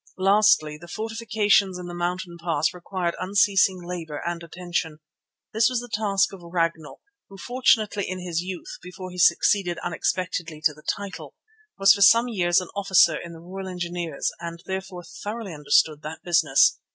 Lastly, the fortifications in the mountain pass required unceasing labour and attention. This was the task of Ragnall, who fortunately in his youth, before he succeeded unexpectedly to the title, was for some years an officer in the Royal Engineers and therefore thoroughly understood that business.